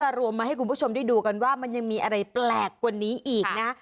รวมมาให้คุณผู้ชมได้ดูกันว่ามันยังมีอะไรแปลกกว่านี้อีกนะ